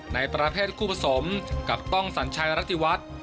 ในประเภทคู่ผสมกับต้องสัญชัยรัฐิวัฒน์